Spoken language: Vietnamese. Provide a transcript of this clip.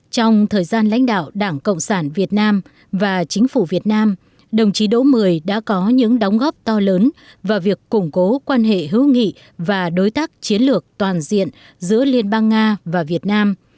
trong thời gian lãnh đạo đảng cộng sản việt nam và chính phủ việt nam đồng chí đỗ mười đã có những đóng góp to lớn vào việc củng cố quan hệ hữu nghị và đối tác chiến lược toàn diện giữa liên bang nga và việt nam